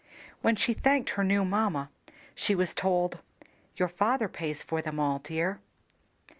When she thanked her new mamma, she was told, "Your father pays for them all, dear."